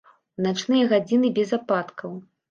У начныя гадзіны без ападкаў.